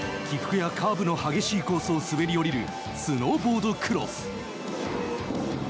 起伏やカーブの激しいコースを滑り降りるスノーボードクロス。